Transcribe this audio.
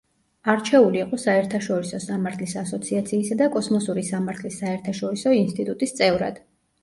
არჩეული იყო საერთაშორისო სამართლის ასოციაციისა და კოსმოსური სამართლის საერთაშორისო ინსტიტუტის წევრად.